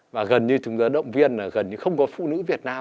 và gần như chúng ta động viên là gần như không có phụ nữ việt nam